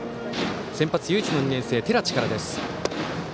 先発唯一の２年生、寺地からです。